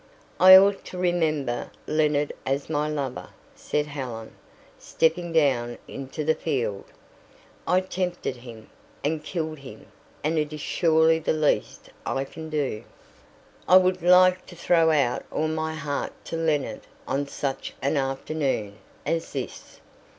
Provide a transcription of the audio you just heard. "I ought to remember Leonard as my lover," said Helen, stepping down into the field. "I tempted him, and killed him and it is surely the least I can do. I would like to throw out all my heart to Leonard on such an afternoon as this.